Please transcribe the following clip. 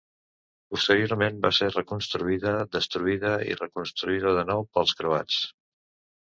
Posteriorment va ser reconstruïda, destruïda i reconstruïda de nou pels croats.